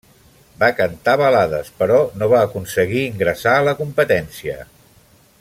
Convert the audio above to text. Va cantar balades, però no va aconseguir ingressar a la competència.